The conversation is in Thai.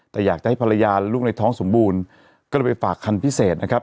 แต่อยากจะให้ภรรยาลูกในท้องสมบูรณ์ก็เลยไปฝากคันพิเศษนะครับ